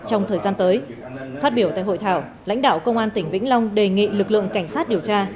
trong thời gian tới phát biểu tại hội thảo lãnh đạo công an tỉnh vĩnh long đề nghị lực lượng cảnh sát điều tra